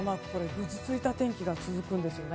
ぐずついた天気が続くんです。